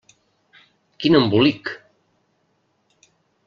Quin embolic!